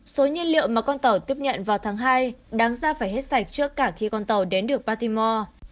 số nhiên liệu mà con tàu tiếp nhận vào tháng hai đáng ra phải hết sạch trước cả khi con tàu đến được patimore